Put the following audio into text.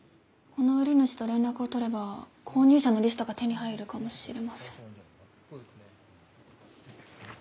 この売り主と連絡を取れば購入者のリストが手に入るかもしれません。